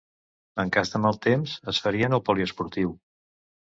En cas de mal temps, es farien al poliesportiu.